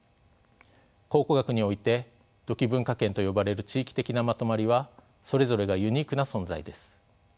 考古学において土器文化圏と呼ばれる地域的なまとまりはそれぞれがユニークな存在です。